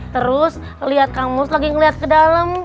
terus liat kang mus lagi ngeliat ke dalem